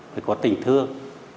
phải có tình thương